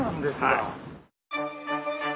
はい。